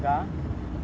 di kawasan tengah